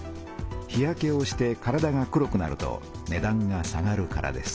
日焼けをして体が黒くなるとねだんが下がるからです。